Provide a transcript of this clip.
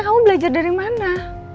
kamu belajar dari mana